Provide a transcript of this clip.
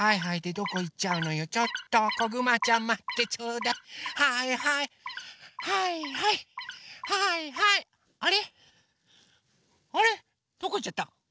どこいっちゃった？